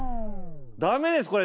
ダメですこれ。